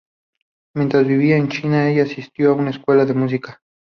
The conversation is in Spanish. Mientras vivía en China, ella asistió a una escuela de música.